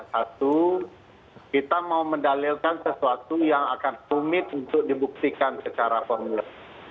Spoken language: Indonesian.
satu kita mau mendalilkan sesuatu yang akan rumit untuk dibuktikan secara formulir